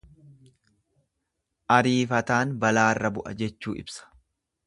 Ariifataan balaarra bu'a jechuu ibsa.